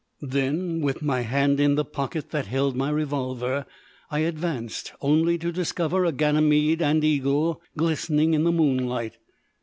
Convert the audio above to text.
Then, with my hand in the pocket that held my revolver, I advanced, only to discover a Ganymede and Eagle glistening in the moonlight.